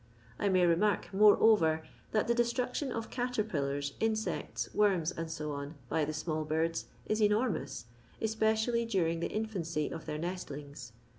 I may remark, moreover, that the dettrnetion of cateipiUars, insects, worms, &c., by the small birds, is enormous, especially during tiie infimcy of their nestliogs.